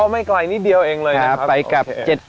ไม่ไกลนิดเดียวเองเลยนะครับโอเค